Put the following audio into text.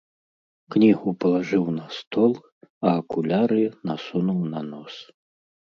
Кнігу палажыў на стол, а акуляры насунуў на нос.